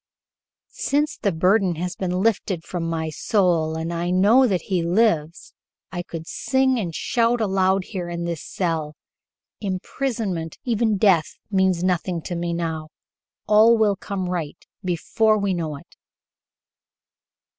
"Since the burden has been lifted from my soul and I know that he lives, I could sing and shout aloud here in this cell. Imprisonment even death means nothing to me now. All will come right before we know it."